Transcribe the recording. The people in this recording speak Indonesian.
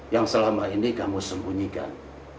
yang selama ini kamu sembunyikan